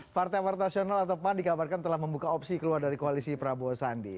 partai partai nasional atau pan dikabarkan telah membuka opsi keluar dari koalisi prabowo sandi